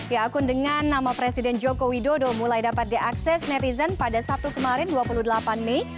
ya akun dengan nama presiden joko widodo mulai dapat diakses netizen pada sabtu kemarin dua puluh delapan mei